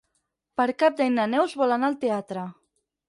Per Cap d'Any na Neus vol anar al teatre.